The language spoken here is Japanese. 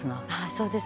「そうです。